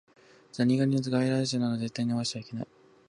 ザリガニは外来種なので絶対に逃してはいけない